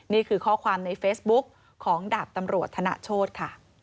นี่คือข้อความในเฟซบุ๊กของดาบตำรวจธนโชธค่ะ